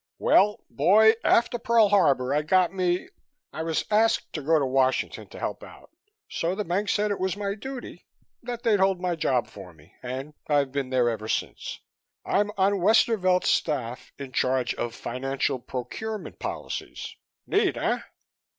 "Well, boy, after Pearl Harbor I got me I was asked to go to Washington to help out, so the bank said it was my duty, that they'd hold my job for me, and I've been there ever since. I'm on Westervelt's staff, in charge of financial procurement policies. Neat, eh?"